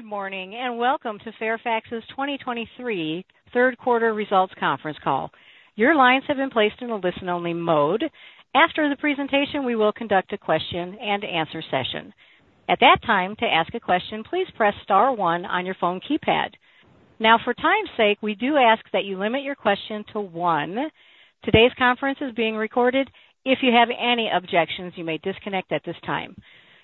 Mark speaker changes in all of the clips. Speaker 1: Good morning, and welcome to Fairfax's 2023 Third Quarter Results Conference Call. Your lines have been placed in a listen-only mode. After the presentation, we will conduct a question-and-answer session. At that time, to ask a question, please press star one on your phone keypad. Now, for time's sake, we do ask that you limit your question to one. Today's conference is being recorded. If you have any objections, you may disconnect at this time.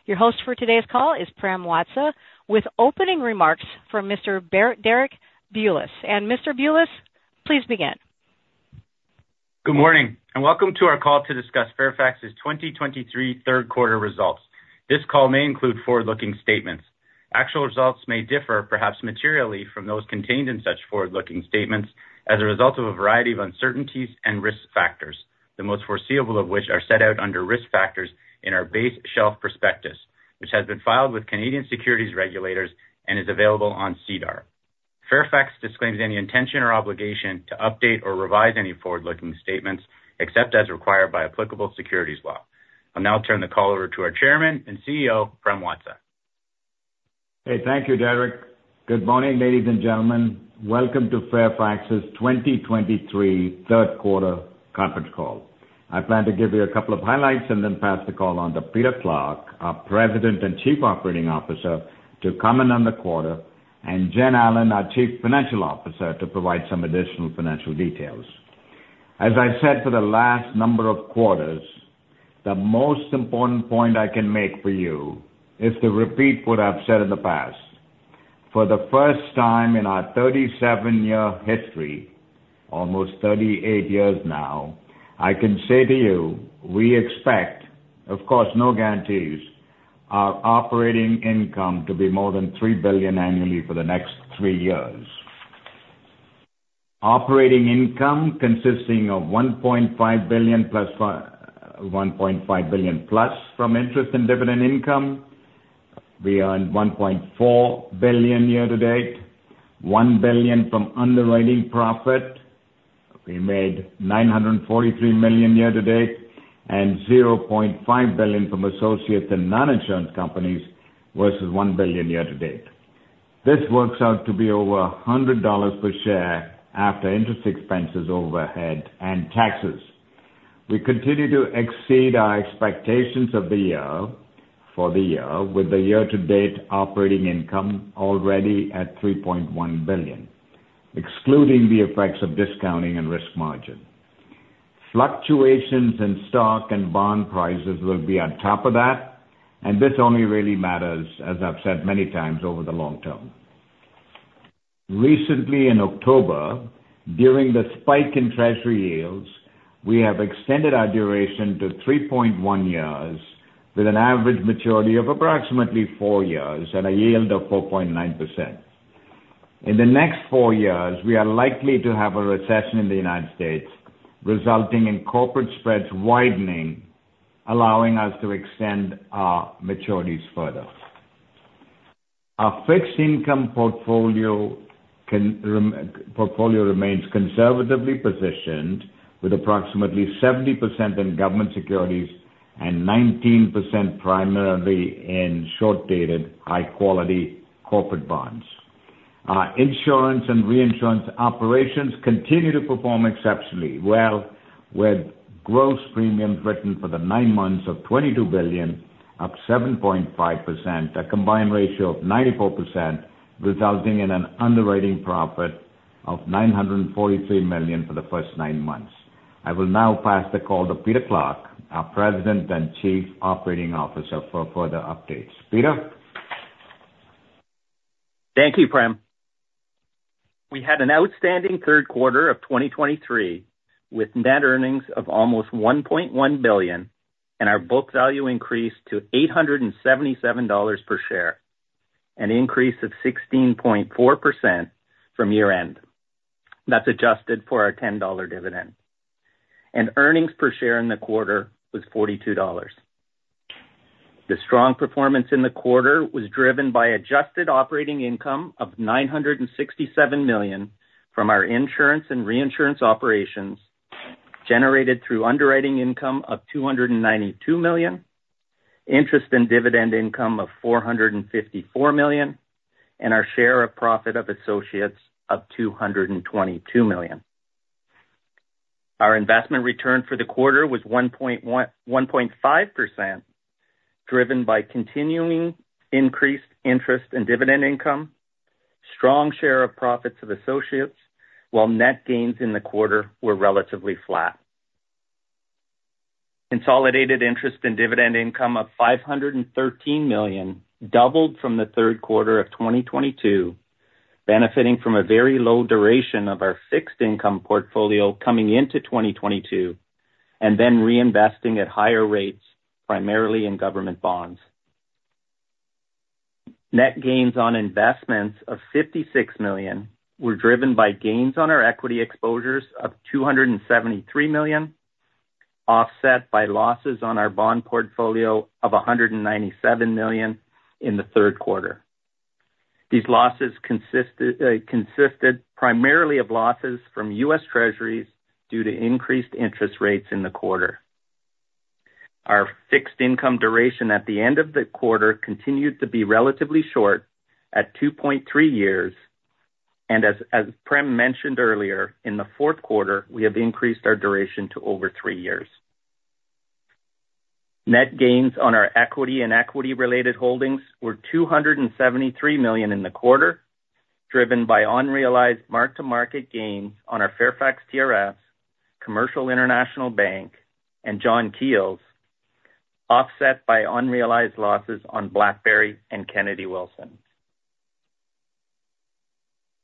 Speaker 1: Your host for today's call is Prem Watsa, with opening remarks from Mr. Derek Bulas. And Mr. Bulas, please begin.
Speaker 2: Good morning, and welcome to our call to discuss Fairfax's 2023 third quarter results. This call may include forward-looking statements. Actual results may differ, perhaps materially, from those contained in such forward-looking statements as a result of a variety of uncertainties and risk factors, the most foreseeable of which are set out under Risk Factors in our base shelf prospectus, which has been filed with Canadian securities regulators and is available on SEDAR+. Fairfax disclaims any intention or obligation to update or revise any forward-looking statements, except as required by applicable securities law. I'll now turn the call over to our Chairman and CEO, Prem Watsa.
Speaker 3: Hey, thank you, Derek. Good morning, ladies and gentlemen. Welcome to Fairfax's 2023 third quarter conference call. I plan to give you a couple of highlights and then pass the call on to Peter Clarke, our President and Chief Operating Officer, to comment on the quarter, and Jen Allen, our Chief Financial Officer, to provide some additional financial details. As I said for the last number of quarters, the most important point I can make for you is to repeat what I've said in the past. For the first time in our 37-year history, almost 38 years now, I can say to you we expect, of course, no guarantees, our operating income to be more than 3 billion annually for the next three years. Operating income consisting of 1.5+ billion, 1.5+ billion from interest and dividend income. We are at 1.4 billion year-to-date, 1 billion from underwriting profit. We made 943 million year-to-date, and 0.5 billion from associates and Non-insurance Companies, versus 1 billion year-to-date. This works out to be over 100 dollars per share after interest expenses, overhead, and taxes. We continue to exceed our expectations of the year, for the year, with the year-to-date operating income already at 3.1 billion, excluding the effects of discounting and risk margin. Fluctuations in stock and bond prices will be on top of that, and this only really matters, as I've said many times, over the long term. Recently, in October, during the spike in treasury yields, we have extended our duration to 3.1 years, with an average maturity of approximately four years and a yield of 4.9%. In the next four years, we are likely to have a recession in the United States, resulting in corporate spreads widening, allowing us to extend our maturities further. Our fixed income portfolio remains conservatively positioned, with approximately 70% in government securities and 19% primarily in short-dated, high-quality corporate bonds. Our Insurance and Reinsurance operations continue to perform exceptionally well, with gross premiums written for the nine months of 22 billion, up 7.5%, a combined ratio of 94%, resulting in an underwriting profit of 943 million for the first nine months. I will now pass the call to Peter Clarke, our President and Chief Operating Officer, for further updates. Peter?
Speaker 4: Thank you, Prem. We had an outstanding third quarter of 2023, with net earnings of almost 1.1 billion, and our book value increased to 877 dollars per share, an increase of 16.4% from year-end. That's adjusted for our 10 dollar dividend. Earnings per share in the quarter was 42 dollars. The strong performance in the quarter was driven by adjusted operating income of 967 million from our Insurance and Reinsurance operations, generated through underwriting income of 292 million, interest and dividend income of 454 million, and our share of profit of associates of 222 million. Our investment return for the quarter was 1.1--1.5%, driven by continuing increased interest and dividend income, strong share of profits of associates, while net gains in the quarter were relatively flat. Consolidated interest and dividend income of 513 million, doubled from the third quarter of 2022, benefiting from a very low duration of our fixed income portfolio coming into 2022, and then reinvesting at higher rates, primarily in government bonds. Net gains on investments of CAD 56 million were driven by gains on our equity exposures of CAD 273 million, offset by losses on our bond portfolio of CAD CAD 97 million in the third quarter. These losses consisted primarily of losses from U.S. Treasury due to increased interest rates in the quarter. Our fixed income duration at the end of the quarter continued to be relatively short at 2.3 years, and as Prem mentioned earlier, in the fourth quarter, we have increased our duration to over three years. Net gains on our equity and equity-related holdings were 273 million in the quarter, driven by unrealized mark-to-market gains on our Fairfax TRS, Commercial International Bank, and John Keells, offset by unrealized losses on BlackBerry and Kennedy Wilson.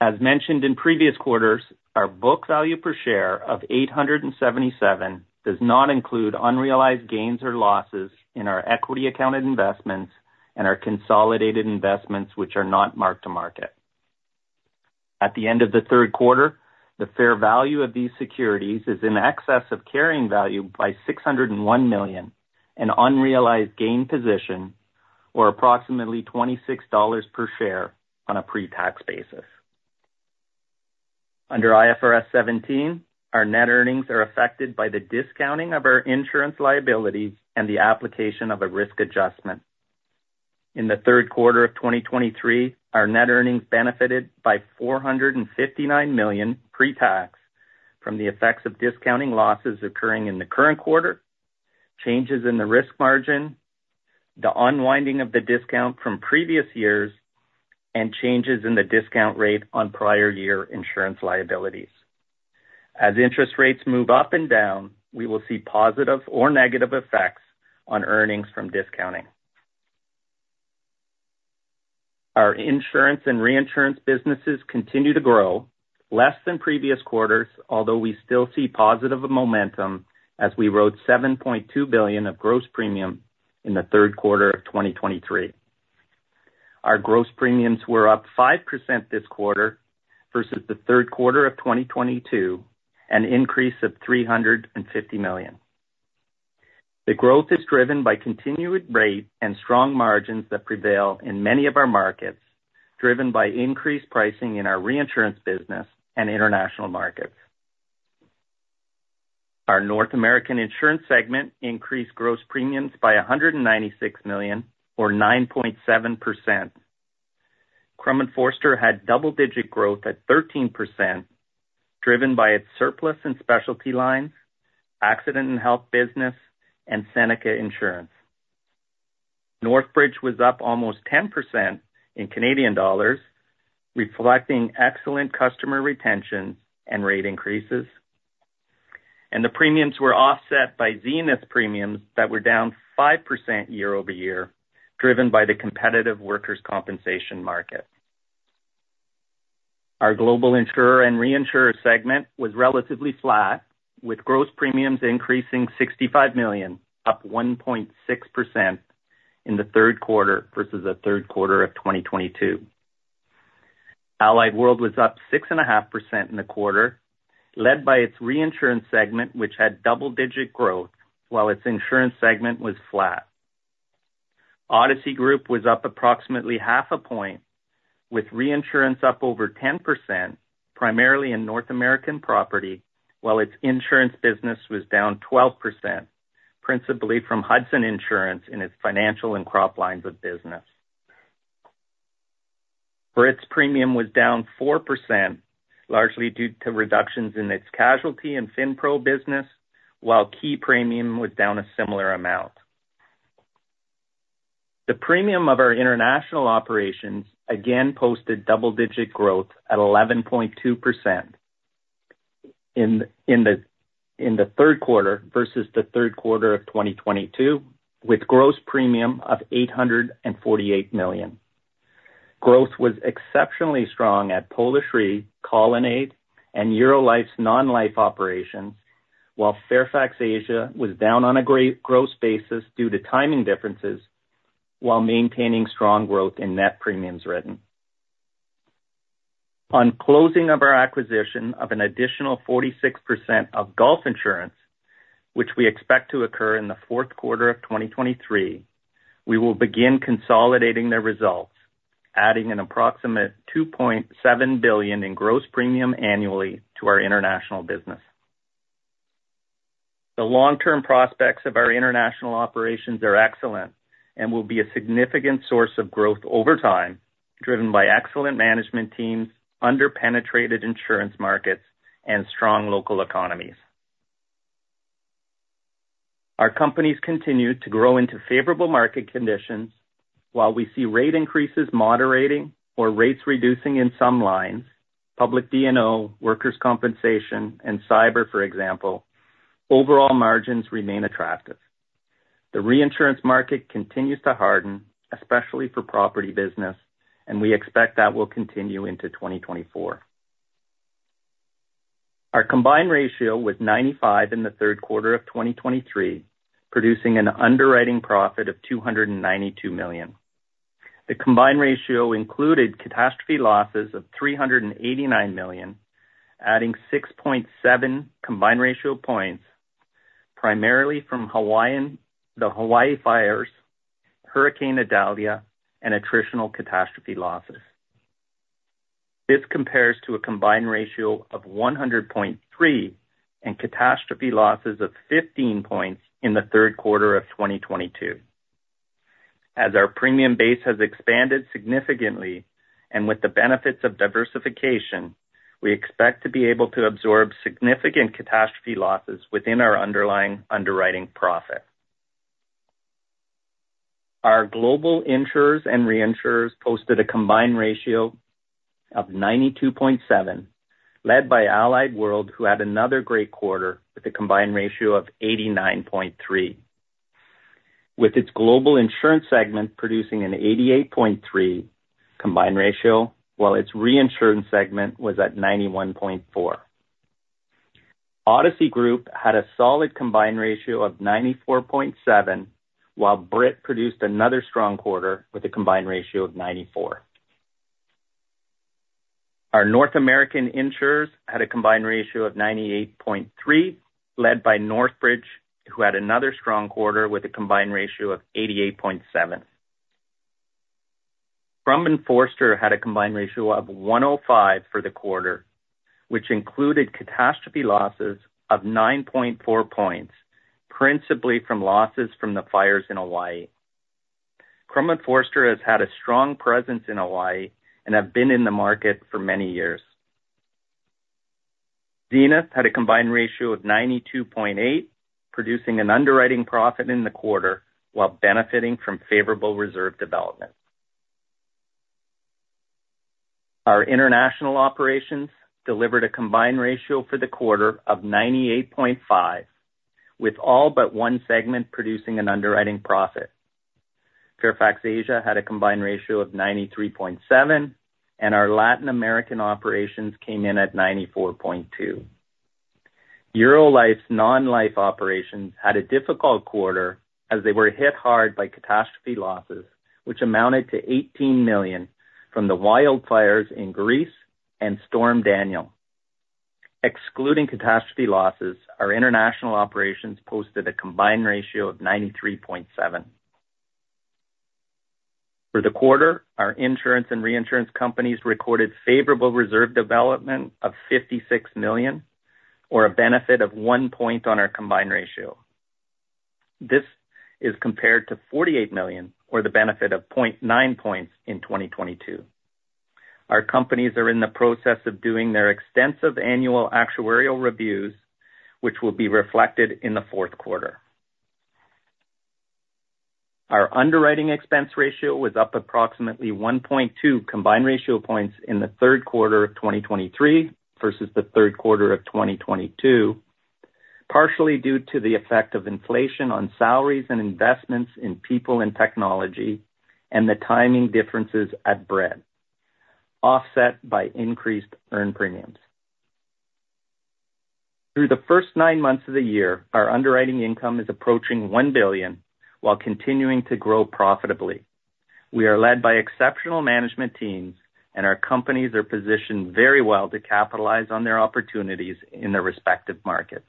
Speaker 4: As mentioned in previous quarters, our book value per share of 877 does not include unrealized gains or losses in our equity accounted investments and our consolidated investments, which are not mark-to-market. At the end of the third quarter, the fair value of these securities is in excess of carrying value by 601 million, an unrealized gain position, or approximately 26 dollars per share on a pre-tax basis. Under IFRS 17, our net earnings are affected by the discounting of our Insurance liabilities and the application of a risk adjustment. In the third quarter of 2023, our net earnings benefited by 459 million pre-tax from the effects of discounting losses occurring in the current quarter, changes in the risk margin, the unwinding of the discount from previous years, and changes in the discount rate on prior year Insurance liabilities. As interest rates move up and down, we will see positive or negative effects on earnings from discounting. Our Insurance and Reinsurance businesses continue to grow less than previous quarters, although we still see positive momentum as we wrote 7.2 billion of gross premium in the third quarter of 2023. Our gross premiums were up 5% this quarter versus the third quarter of 2022, an increase of 350 million. The growth is driven by continued rate and strong margins that prevail in many of our markets, driven by increased pricing in our Reinsurance business and international markets. Our North American Insurance segment increased gross premiums by 196 million, or 9.7%. Crum & Forster had double-digit growth at 13%, driven by its surplus and specialty lines, accident and health business, and Seneca Insurance. Northbridge was up almost 10% in Canadian dollars, reflecting excellent customer retention and rate increases, and the premiums were offset by Zenith premiums that were down 5% year-over-year, driven by the competitive workers' compensation market. Our Global Insurer and Reinsurer segment was relatively flat, with gross premiums increasing 65 million, up 1.6% in the third quarter versus the third quarter of 2022. Allied World was up 6.5% in the quarter, led by its Reinsurance segment, which had double-digit growth, while its Insurance segment was flat. Odyssey Group was up approximately 0.5%, with Reinsurance up over 10%, primarily in North American property, while its Insurance business was down 12%, principally from Hudson Insurance in its financial and crop lines of business. Brit's premium was down 4%, largely due to reductions in its casualty and FinPro business, while Ki premium was down a similar amount. The premium of our international operations again posted double-digit growth at 11.2% in the third quarter versus the third quarter of 2022, with gross premium of 848 million. Growth was exceptionally strong at Polish Re, Colonnade, and Eurolife's non-life operations, while Fairfax Asia was down on a gross basis due to timing differences, while maintaining strong growth in net premiums written. On closing of our acquisition of an additional 46% of Gulf Insurance, which we expect to occur in the fourth quarter of 2023, we will begin consolidating their results, adding an approximate 2.7 billion in gross premium annually to our international business. The long-term prospects of our international operations are excellent and will be a significant source of growth over time, driven by excellent management teams, underpenetrated insurance markets, and strong local economies. Our companies continue to grow into favorable market conditions. While we see rate increases moderating or rates reducing in some lines, public D&O, workers' compensation, and cyber, for example, overall margins remain attractive. The reinsurance market continues to harden, especially for property business, and we expect that will continue into 2024. Our combined ratio was 95% in the third quarter of 2023, producing an underwriting profit of 292 million. The combined ratio included catastrophe losses of 389 million, adding 6.7% combined ratio points, primarily from the Hawaii fires, Hurricane Idalia, and attritional catastrophe losses. This compares to a combined ratio of 100.3% and catastrophe losses of 15 points in the third quarter of 2022. As our premium base has expanded significantly and with the benefits of diversification, we expect to be able to absorb significant catastrophe losses within our underlying underwriting profit. Our Global Insurers and Reinsurers posted a combined ratio of 92.7%, led by Allied World, who had another great quarter with a combined ratio of 89.3%, with its Global Insurance segment producing an 88.3% combined ratio, while its Reinsurance segment was at 91.4%. Odyssey Group had a solid combined ratio of 94.7%, while Brit produced another strong quarter with a combined ratio of 94%. Our North American Insurers had a combined ratio of 98.3%, led by Northbridge, who had another strong quarter with a combined ratio of 88.7%. Crum & Forster had a combined ratio of 105% for the quarter, which included catastrophe losses of 9.4 points, principally from losses from the fires in Hawaii. Crum & Forster has had a strong presence in Hawaii and have been in the market for many years. Zenith had a combined ratio of 92.8%, producing an underwriting profit in the quarter while benefiting from favorable reserve development. Our international operations delivered a combined ratio for the quarter of 98.5%, with all but one segment producing an underwriting profit. Fairfax Asia had a combined ratio of 93.7%, and our Latin American operations came in at 94.2%. Eurolife's non-life operations had a difficult quarter as they were hit hard by catastrophe losses, which amounted to 18 million from the wildfires in Greece and Storm Daniel. Excluding catastrophe losses, our international operations posted a combined ratio of 93.7%. For the quarter, our Insurance and Reinsurance companies recorded favorable reserve development of 56 million, or a benefit of 1 point on our combined ratio. This is compared to 48 million, or the benefit of 0.9 points in 2022. Our companies are in the process of doing their extensive annual actuarial reviews, which will be reflected in the fourth quarter. Our underwriting expense ratio was up approximately 1.2% combined ratio points in the third quarter of 2023 versus the third quarter of 2022, partially due to the effect of inflation on salaries and investments in people and technology and the timing differences at Brit, offset by increased earned premiums. Through the first nine months of the year, our underwriting income is approaching 1 billion, while continuing to grow profitably. We are led by exceptional management teams, and our companies are positioned very well to capitalize on their opportunities in their respective markets.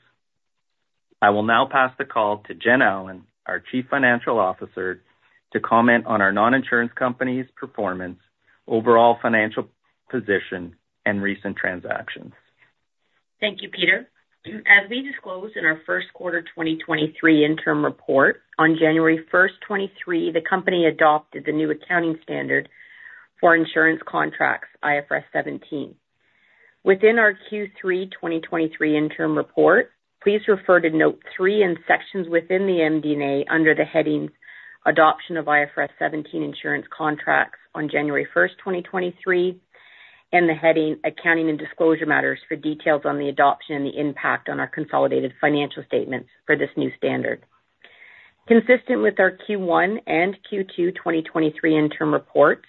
Speaker 4: I will now pass the call to Jen Allen, our Chief Financial Officer, to comment on our Non-insurance Company's performance, overall financial position, and recent transactions.
Speaker 5: Thank you, Peter. As we disclosed in our first quarter 2023 interim report, on January 1st, 2023, the company adopted the new accounting standard for insurance contracts, IFRS 17. Within our Q3 2023 interim report, please refer to Note 3 in sections within the MD&A under the heading Adoption of IFRS 17 Insurance Contracts on January 1st, 2023, and the heading Accounting and Disclosure Matters for details on the adoption and the impact on our consolidated financial statements for this new standard. Consistent with our Q1 and Q2 2023 interim reports,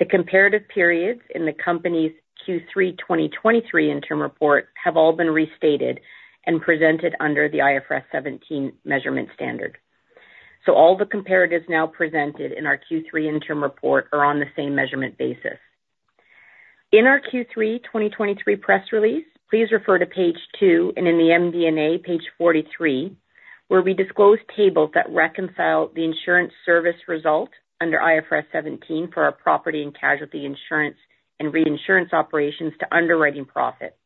Speaker 5: the comparative periods in the company's Q3 2023 interim report have all been restated and presented under the IFRS 17 measurement standard. So all the comparatives now presented in our Q3 interim report are on the same measurement basis. In our Q3 2023 press release, please refer to page two, and in the MD&A, page 43, where we disclose tables that reconcile the insurance service result under IFRS property and casualty insurance and Reinsurance operations to underwriting profit.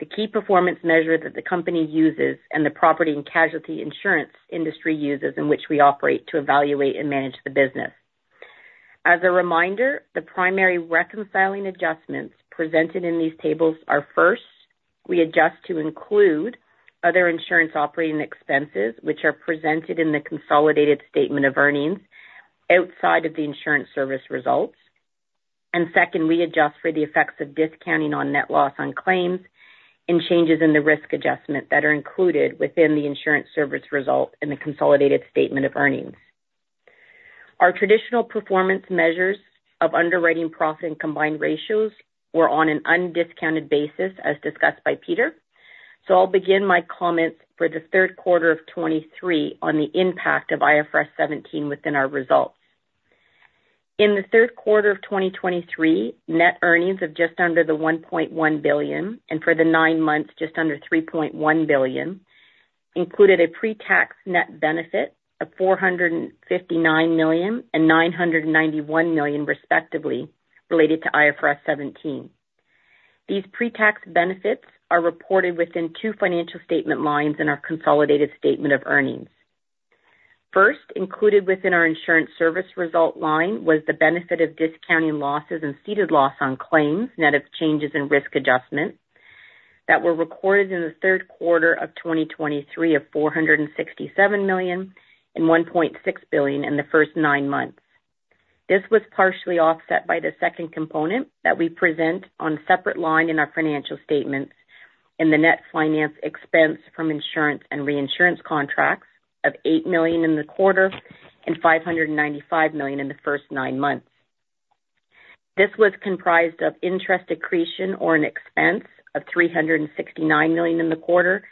Speaker 5: The key performance measure that the company uses and the property and casualty insurance industry uses in which we operate to evaluate and manage the business. As a reminder, the primary reconciling adjustments presented in these tables are, first, we adjust to include other insurance operating expenses, which are presented in the consolidated statement of earnings outside of the insurance service results. And second, we adjust for the effects of discounting on net loss on claims and changes in the risk adjustment that are included within the insurance service result in the consolidated statement of earnings. Our traditional performance measures of underwriting profit and combined ratios were on an undiscounted basis, as discussed by Peter. I'll begin my comments for the third quarter of 2023 on the impact of IFRS 17 within our results. In the third quarter of 2023, net earnings of just under the 1.1 billion, and for the nine months, just under 3.1 billion included a pre-tax net benefit of 459 million and 991 million, respectively, related to IFRS 17. These pre-tax benefits are reported within two financial statement lines in our consolidated statement of earnings. First, included within our Insurance service result line was the benefit of discounting losses and ceded loss on claims, net of changes in risk adjustment, that were recorded in the third quarter of 2023 of 467 million and 1.6 billion in the first nine months. This was partially offset by the second component that we present on separate line in our financial statements, in the net finance expense from Insurance and Reinsurance contracts of 8 million in the quarter and 595 million in the first nine months. This was comprised of interest accretion or an expense of 369 million in the quarter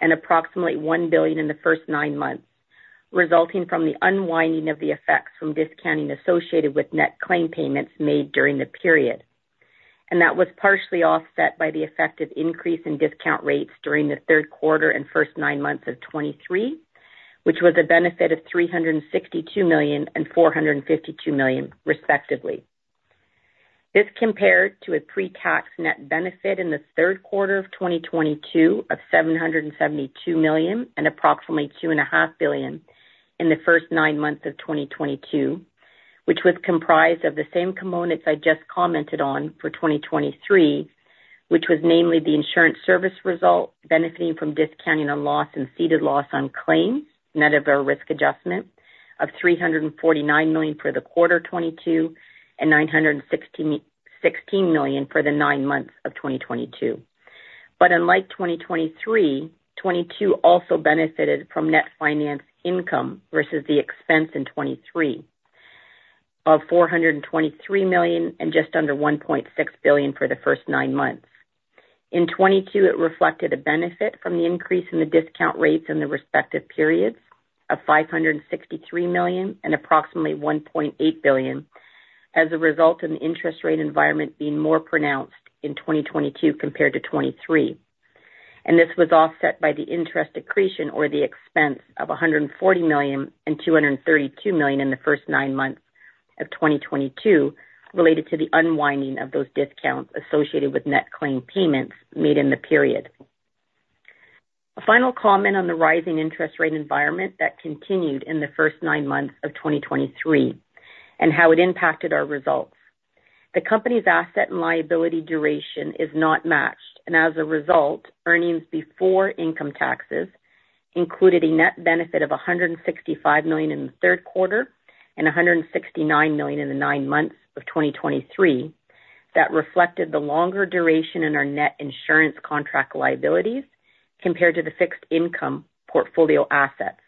Speaker 5: and approximately 1 billion in the first nine months, resulting from the unwinding of the effects from discounting associated with net claim payments made during the period. And that was partially offset by the effect of increase in discount rates during the third quarter and first nine months of 2023, which was a benefit of 362 million and 452 million, respectively. This compared to a pre-tax net benefit in the third quarter of 2022 of 772 million and approximately 2.5 billion in the first nine months of 2022, which was comprised of the same components I just commented on for 2023, which was namely the Insurance service result, benefiting from discounting on loss and ceded loss on claims, net of our risk adjustment of 349 million for the quarter 2022, and 916 million for the nine months of 2022. But unlike 2023, 2022 also benefited from net finance income versus the expense in 2023 of 423 million and just under 1.6 billion for the first nine months. In 2022, it reflected a benefit from the increase in the discount rates in the respective periods of 563 million and approximately 1.8 billion, as a result of the interest rate environment being more pronounced in 2022 compared to 2023. And this was offset by the interest accretion or the expense of 140 million and 232 million in the first nine months of 2022, related to the unwinding of those discounts associated with net claim payments made in the period. A final comment on the rising interest rate environment that continued in the first nine months of 2023 and how it impacted our results. The company's asset and liability duration is not matched, and as a result, earnings before income taxes included a net benefit of 165 million in the third quarter and 169 million in the nine months of 2023. That reflected the longer duration in our net insurance contract liabilities compared to the fixed income portfolio assets.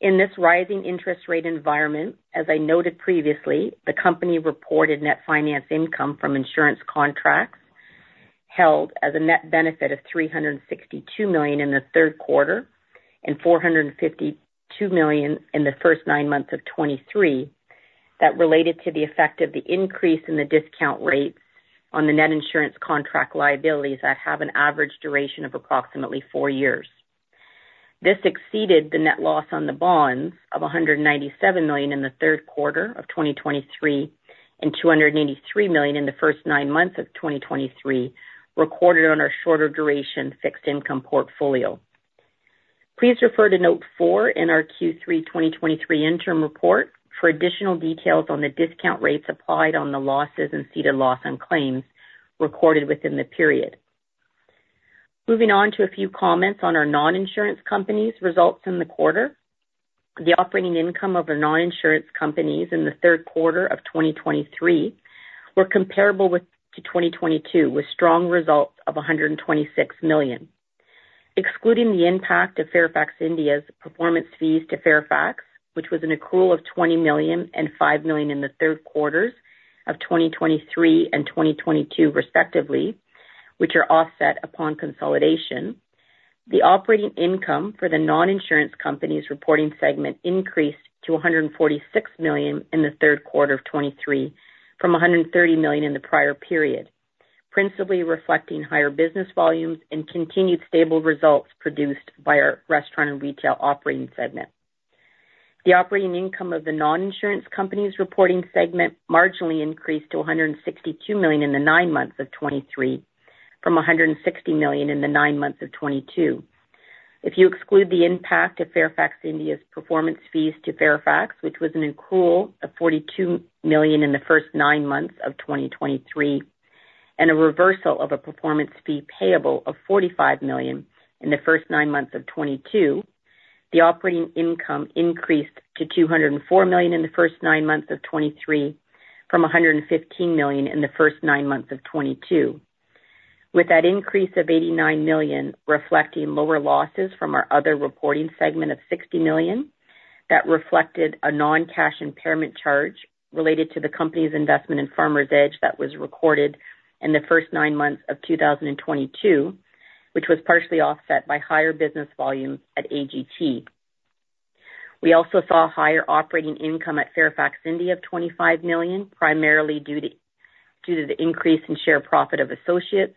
Speaker 5: In this rising interest rate environment, as I noted previously, the company reported net finance income from Insurance contracts held as a net benefit of 362 million in the third quarter and 452 million in the first nine months of 2023. That related to the effect of the increase in the discount rates on the net insurance contract liabilities that have an average duration of approximately four years. This exceeded the net loss on the bonds of 197 million in the third quarter of 2023, and 283 million in the first nine months of 2023, recorded on our shorter duration fixed income portfolio. Please refer to Note 4 in our Q3 2023 Interim Report for additional details on the discount rates applied on the losses and ceded loss on claims recorded within the period. Moving on to a few comments on our Non-insurance Companies results in the quarter. The operating income of our Non-insurance Companies in the third quarter of 2023 were comparable with to 2022, with strong results of 126 million. Excluding the impact of Fairfax India's performance fees to Fairfax, which was an accrual of 20 million and 5 million in the third quarters of 2023 and 2022, respectively, which are offset upon consolidation. The operating income for the Non-insurance Companies reporting segment increased to 146 million in the third quarter of 2023, from 130 million in the prior period, principally reflecting higher business volumes and continued stable results produced by our restaurant and retail operating segment. The operating income of the Non-insurance Companies reporting segment marginally increased to 162 million in the nine months of 2023, from 160 million in the nine months of 2022. If you exclude the impact of Fairfax India's performance fees to Fairfax, which was an accrual of 42 million in the first nine months of 2023, and a reversal of a performance fee payable of 45 million in the first nine months of 2022, the operating income increased to 204 million in the first nine months of 2023, from 115 million in the first nine months of 2022. With that increase of 89 million, reflecting lower losses from our other reporting segment of 60 million. That reflected a non-cash impairment charge related to the company's investment in Farmers Edge that was recorded in the first nine months of 2022, which was partially offset by higher business volumes at AGT. We also saw higher operating income at Fairfax India of 25 million, primarily due to the increase in share profit of associates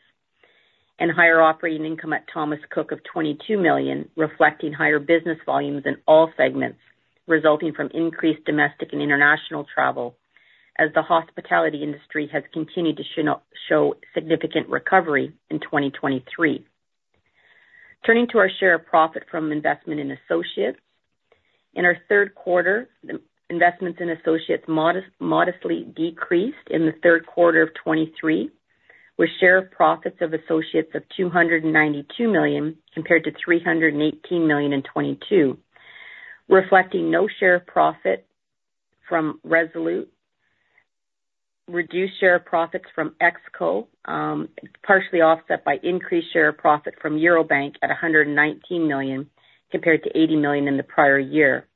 Speaker 5: and higher operating income at Thomas Cook of 22 million, reflecting higher business volumes in all segments, resulting from increased domestic and international travel, as the hospitality industry has continued to show significant recovery in 2023. Turning to our share of profit from investment in associates. In our third quarter, investments in associates modestly decreased in the third quarter of 2023, with share of profits of associates of 292 million compared to 318 million in 2022, reflecting no share of profit from Resolute, reduced share of profits from EXCO, partially offset by increased share of profit from Eurobank at 119 million compared to 80 million in the prior year,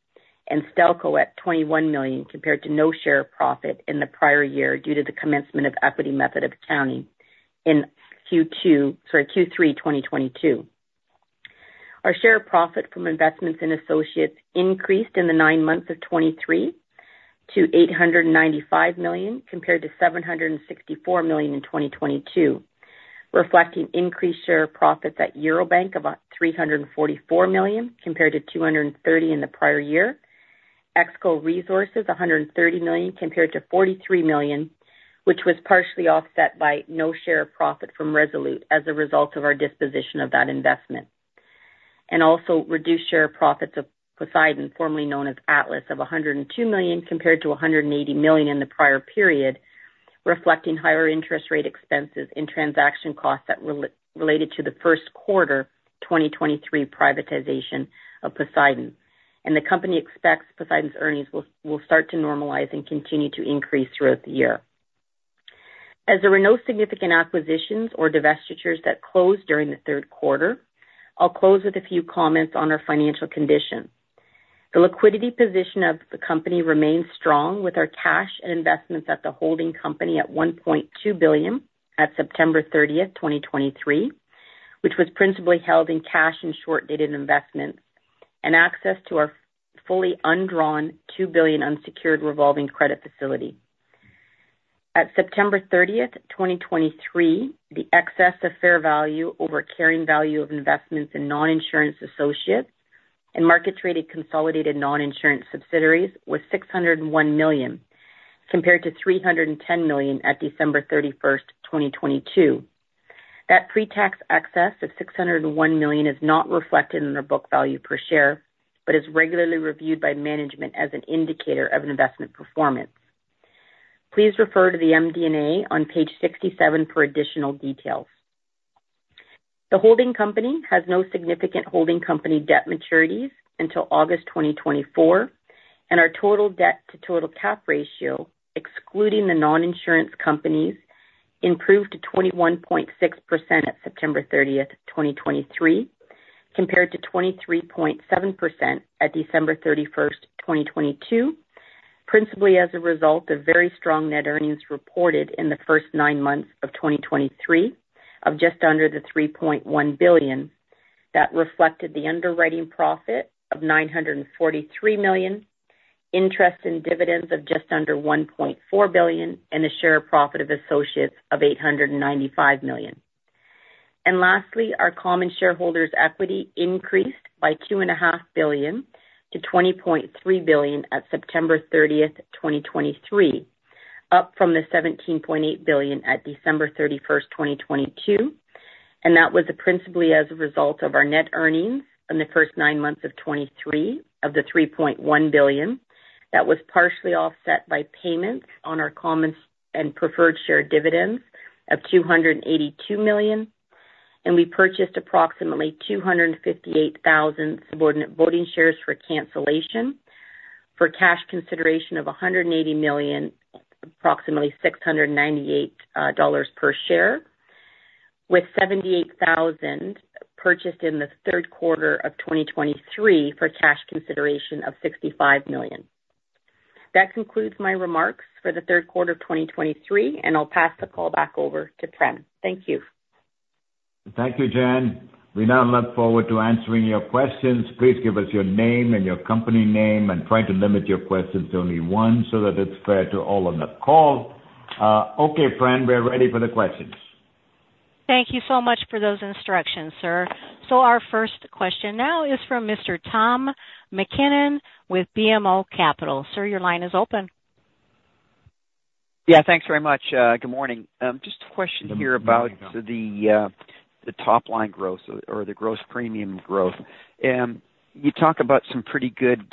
Speaker 5: and Stelco at 21 million compared to no share of profit in the prior year, due to the commencement of equity method of accounting in Q2, sorry, Q3 2022. Our share of profit from investments in associates increased in the nine months of 2023 to 895 million, compared to 764 million in 2022, reflecting increased share of profits at Eurobank, about 344 million compared to 230 million in the prior year. EXCO Resources, 130 million compared to 43 million, which was partially offset by no share of profit from Resolute as a result of our disposition of that investment. And also reduced share of profits of Poseidon, formerly known as Atlas, of 102 million compared to 180 million in the prior period, reflecting higher interest rate expenses and transaction costs that related to the first quarter 2023 privatization of Poseidon. The company expects Poseidon's earnings will start to normalize and continue to increase throughout the year. As there were no significant acquisitions or divestitures that closed during the third quarter, I'll close with a few comments on our financial condition. The liquidity position of the company remains strong, with our cash and investments at the holding company at 1.2 billion at September 30th, 2023, which was principally held in cash and short-dated investments, and access to our fully undrawn 2 billion unsecured revolving credit facility. At September 30th, 2023, the excess of fair value over carrying value of investments in non-insurance associates and market-traded consolidated non-insurance subsidiaries was CAD 601 million, compared to CAD 310 million at December 31st, 2022. That pre-tax excess of CAD 601 million is not reflected in our book value per share, but is regularly reviewed by management as an indicator of investment performance. Please refer to the MD&A on page 67 for additional details. The holding company has no significant holding company debt maturities until August 2024, and our total debt to total cap ratio, excluding the Non-insurance Companies, improved to 21.6% at September 30, 2023, compared to 23.7% at December 31st, 2022. Principally as a result of very strong net earnings reported in the first nine months of 2023, of just under 3.1 billion. That reflected the underwriting profit of 943 million, interest and dividends of just under 1.4 billion, and the share of profit of associates of 895 million. Lastly, our common shareholders' equity increased by 2.5 billion to 20.3 billion at September 30th, 2023, up from the CAD 17.8 billion at December 31st, 2022, and that was principally as a result of our net earnings in the first nine months of 2023, of the 3.1 billion. That was partially offset by payments on our common and preferred share dividends of 282 million, and we purchased approximately 258,000 subordinate voting shares for cancellation for cash consideration of 180 million, approximately 698 dollars per share, with 78,000 purchased in the third quarter of 2023 for cash consideration of 65 million. That concludes my remarks for the third quarter of 2023, and I'll pass the call back over to Prem. Thank you.
Speaker 3: Thank you, Jen. We now look forward to answering your questions. Please give us your name and your company name and try to limit your questions to only one, so that it's fair to all on the call. Okay, Fran, we're ready for the questions.
Speaker 1: Thank you so much for those instructions, sir. So our first question now is from Mr. Tom MacKinnon with BMO Capital. Sir, your line is open.
Speaker 6: Yeah, thanks very much. Good morning. Just a question here about the top-line growth or the gross premium growth. You talk about some pretty good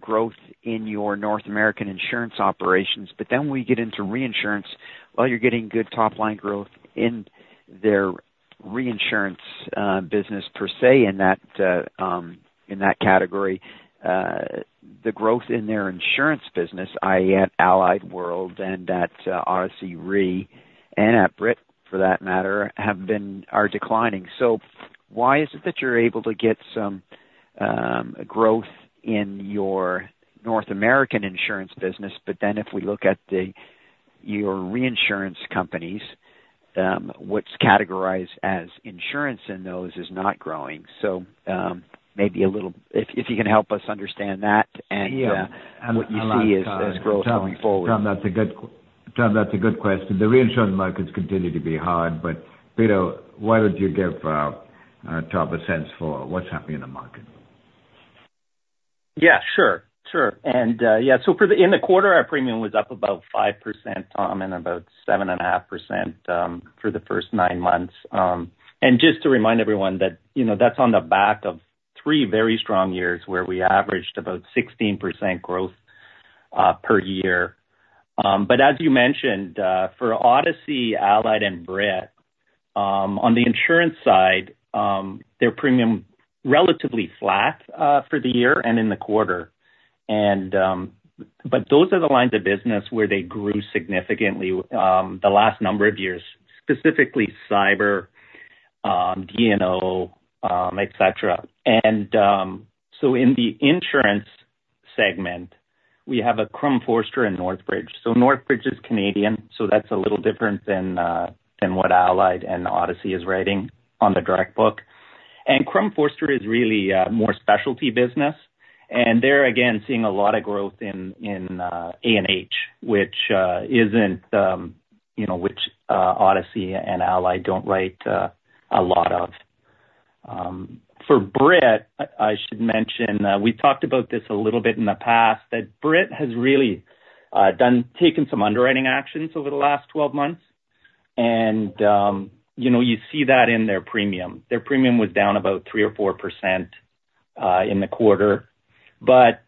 Speaker 6: growth in your North American insurance operations, but then when we get into Reinsurance, while you're getting good top-line growth in their Reinsurance business per se, in that category, the growth in their Insurance business, i.e., at Allied World and at RC Re and at Brit, for that matter, are declining. So why is it that you're able to get some growth in your North American insurance business, but then if we look at your Reinsurance companies-... what's categorized as Insurance in those is not growing. So, maybe a little if you can help us understand that and what you see as growth going forward.
Speaker 3: Tom, that's a good question. The reinsurance markets continue to be hard, but Peter, why don't you give Tom a sense for what's happening in the market?
Speaker 4: Yeah, sure, sure. And yeah, so in the quarter, our premium was up about 5%, Tom, and about 7.5%, for the first nine months. And just to remind everyone that, you know, that's on the back of three very strong years, where we averaged about 16% growth per year. But as you mentioned, for Odyssey, Allied, and Brit, on the Insurance side, their premium relatively flat for the year and in the quarter. But those are the lines of business where they grew significantly the last number of years, specifically cyber, D&O, et cetera. So in the Insurance segment, we have a Crum & Forster and Northbridge. So Northbridge is Canadian, so that's a little different than what Allied and Odyssey is writing on the direct book. And Crum & Forster is really more specialty business, and they're, again, seeing a lot of growth in A&H, which isn't, you know, which Odyssey and Allied don't write a lot of. For Brit, I should mention we talked about this a little bit in the past, that Brit has really taken some underwriting actions over the last 12 months, and you know, you see that in their premium. Their premium was down about 3% or 4% in the quarter. But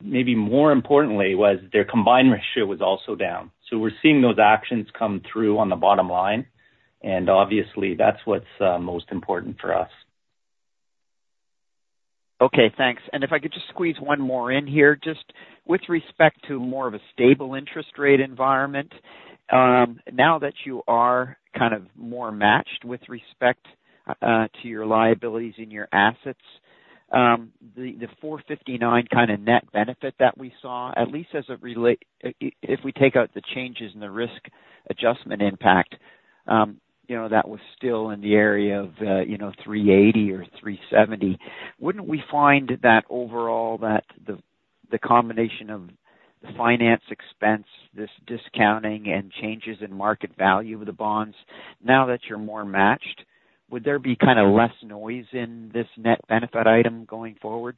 Speaker 4: maybe more importantly, was their Combined Ratio was also down. So we're seeing those actions come through on the bottom line, and obviously that's what's most important for us.
Speaker 6: Okay, thanks. And if I could just squeeze one more in here, just with respect to more of a stable interest rate environment, now that you are kind of more matched with respect to your liabilities and your assets, the 459 million kind of net benefit that we saw, at least as it relates, if we take out the changes in the risk adjustment impact, you know, that was still in the area of, you know, 380 million or 370 million. Wouldn't we find that overall, the combination of the finance expense, this discounting and changes in market value of the bonds, now that you're more matched, would there be kind of less noise in this net benefit item going forward?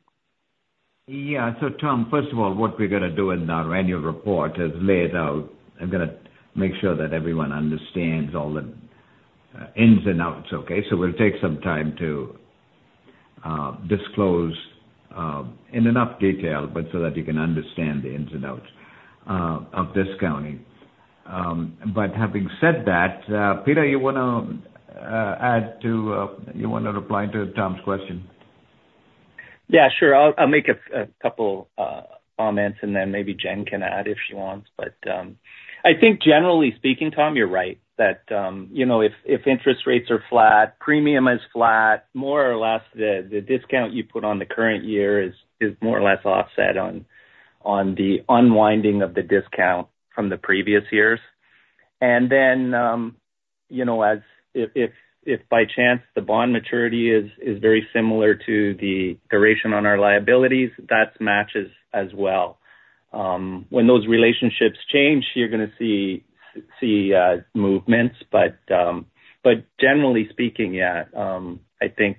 Speaker 3: Yeah. So Tom, first of all, what we're gonna do in our annual report is lay it out. I'm gonna make sure that everyone understands all the ins and outs, okay? So we'll take some time to disclose in enough detail, but so that you can understand the ins and outs of discounting. But having said that, Peter, you wanna add to you want to reply to Tom's question?
Speaker 4: Yeah, sure. I'll make a couple comments, and then maybe Jen can add if she wants. But I think generally speaking, Tom, you're right, that you know, if interest rates are flat, premium is flat, more or less, the discount you put on the current year is more or less offset on the unwinding of the discount from the previous years. And then you know, as if by chance, the bond maturity is very similar to the duration on our liabilities, that matches as well. When those relationships change, you're gonna see movements, but generally speaking, yeah, I think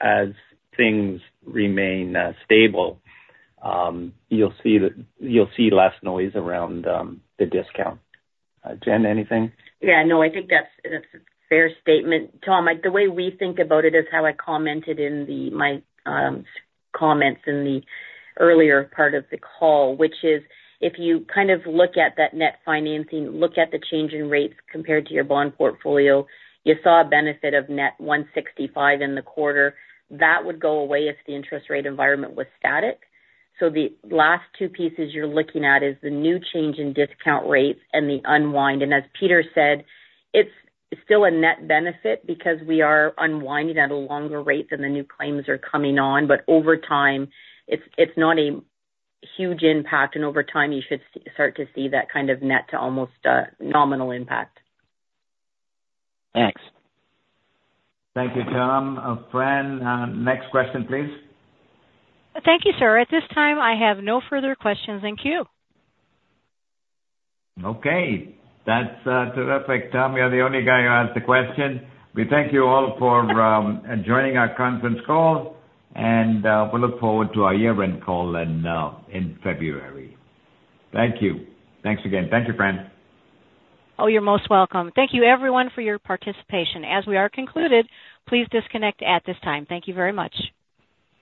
Speaker 4: as things remain stable, you'll see less noise around the discount. Jen, anything?
Speaker 5: Yeah, no, I think that's a fair statement, Tom. Like, the way we think about it is how I commented in my comments in the earlier part of the call, which is, if you kind of look at that net financing, look at the change in rates compared to your bond portfolio, you saw a benefit of net 165 million in the quarter. That would go away if the interest rate environment was static. So the last two pieces you're looking at is the new change in discount rates and the unwind. And as Peter said, it's still a net benefit because we are unwinding at a longer rate than the new claims are coming on, but over time, it's not a huge impact, and over time, you should start to see that kind of net to almost a nominal impact.
Speaker 6: Thanks.
Speaker 3: Thank you, Tom. Fran, next question, please.
Speaker 1: Thank you, sir. At this time, I have no further questions in queue.
Speaker 3: Okay. That's terrific. Tom, you're the only guy who asked a question. We thank you all for joining our conference call, and we look forward to our year-end call in February. Thank you. Thanks again. Thank you, Fran.
Speaker 1: Oh, you're most welcome. Thank you, everyone, for your participation. As we are concluded, please disconnect at this time. Thank you very much.